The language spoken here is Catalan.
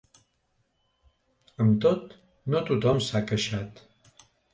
Amb tot, no tothom s’ha queixat.